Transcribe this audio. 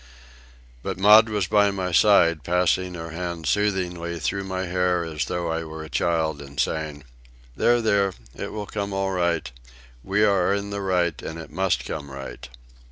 But Maud was by my side, passing her hand soothingly through my hair as though I were a child, and saying, "There, there; it will all come right. We are in the right, and it must come right."